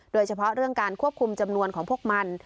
โดยเฉพาะเรื่องการควบคุมจำนวนของพวกมัน